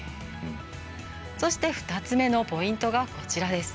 そして、２つ目のポイントがこちらです。